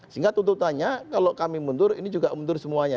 sehingga tuntutannya kalau kami mundur ini juga mundur semuanya